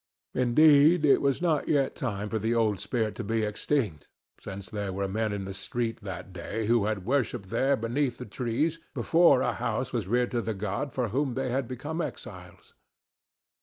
Indeed, it was not yet time for the old spirit to be extinct, since there were men in the street that day who had worshipped there beneath the trees before a house was reared to the God for whom they had become exiles.